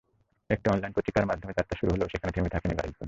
একটি অনলাইন পত্রিকার মাধ্যমে যাত্রা শুরু হলেও, সেখানেই থেমে থাকেনি বাসভূমি।